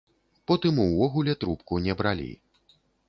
Потым увогуле трубку не бралі.